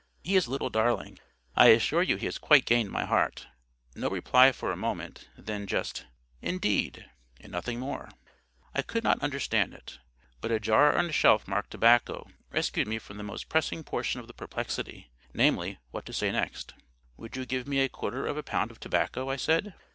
He is a little darling. I assure you he has quite gained my heart." No reply for a moment. Then just "Indeed!" and nothing more. I could not understand it. But a jar on a shelf, marked TOBACCO, rescued me from the most pressing portion of the perplexity, namely, what to say next. "Will you give me a quarter of a pound of tobacco?" I said.